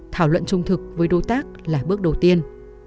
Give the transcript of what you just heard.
thảo luận trung thực với đối tác là bước đầu tiên